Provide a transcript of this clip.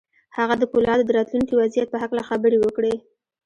هغه د پولادو د راتلونکي وضعیت په هکله خبرې وکړې